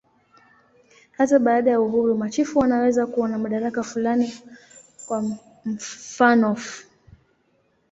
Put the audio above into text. Hata baada ya uhuru, machifu wanaweza kuwa na madaraka fulani, kwa mfanof.